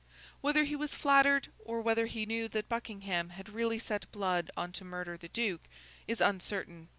Whether he was flattered, or whether he knew that Buckingham had really set Blood on to murder the Duke, is uncertain.